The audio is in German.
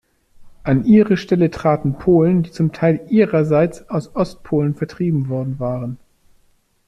An ihre Stelle traten Polen, die zum Teil ihrerseits aus Ostpolen vertrieben worden waren.